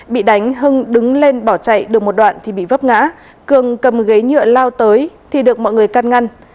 bị đánh hưng đứng lên bỏ chạy được một đoạn thì bị vấp ngã cường cầm ghế nhựa lao tới thì được mọi người căn ngăn